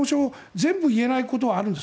全部言えないことはあるんです。